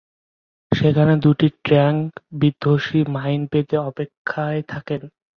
সেখানে দুটি ট্যাংক-বিধ্বংসী মাইন পেতে অপেক্ষায় থাকেন।